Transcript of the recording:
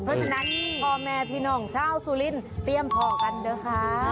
เพราะฉะนั้นพ่อแม่พี่น้องชาวสุรินเตรียมพอกันเถอะค่ะ